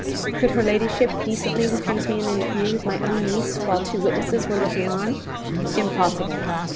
Could her ladyship decently refuse me an interview with my own niece, while two witnesses were looking on? Impossible.